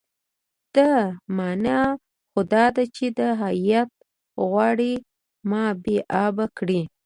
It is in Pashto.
دا معنی خو دا ده چې دا هیات غواړي ما بې آبه کړي.